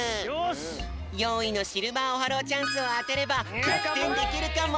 ４いのシルバーオハローチャンスをあてればぎゃくてんできるかも。